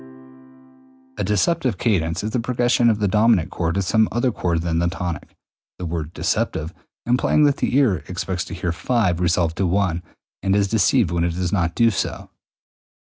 A deceptive cadence is the progression of the dominant chord to some other chord than the tonic, the word deceptive implying that the ear expects to hear V resolve to I and is deceived when it does not do so.